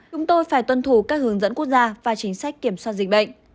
chúng tôi phải tuân thủ các hướng dẫn quốc gia và chính sách kiểm soát dịch bệnh